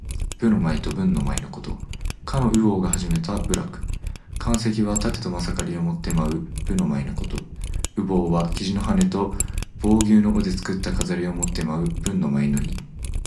武の舞と文の舞のこと。夏の禹王が始めた舞楽。「干戚」はたてとまさかりを持って舞う、武の舞のこと。「羽旄」は雉の羽と旄牛の尾で作った飾りを持って舞う、文の舞の意。